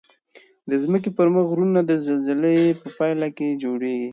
د ځمکې پر مخ غرونه د زلزلې په پایله کې جوړیږي.